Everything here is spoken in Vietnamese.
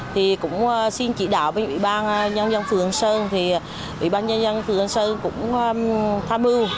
thì cũng xin chỉ đạo với ủy ban nhân dân phường sơn thì ủy ban nhân dân phường an sơn cũng tham mưu